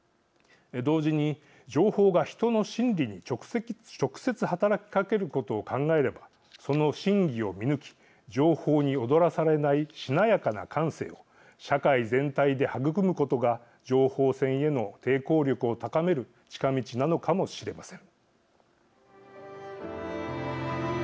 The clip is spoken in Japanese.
同時に情報が人の心理に直接働きかけることを考えればその真偽を見抜き情報に踊らされないしなやかな感性を社会全体で育むことが情報戦への抵抗力を高める近道なのかもしれません。